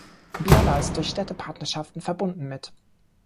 Biella ist durch Städtepartnerschaften verbunden mit